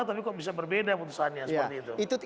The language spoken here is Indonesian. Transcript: tapi kok bisa berbeda putusannya seperti itu